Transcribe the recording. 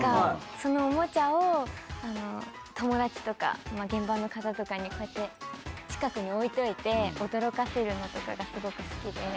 そのおもちゃを友達とか現場の方とかにこうやって近くに置いておいて驚かせるのとかがすごく好きで。